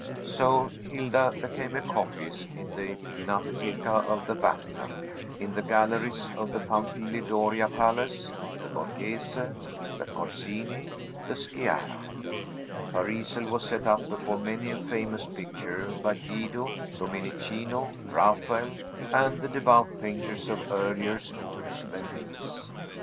So Hilda became a copyist: in the Pinacotheca of the Vatican, in the galleries of the Pam fili Doria palace, the Borghese, the Corsini, the Sciarra, her easel was set up before many a famous picture by Guido, Domenichino, Raphael, and the devout painters of earlier schools than these.